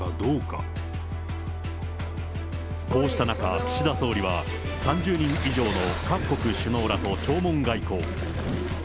こうした中、岸田総理は、３０人以上の各国首脳らと弔問外交。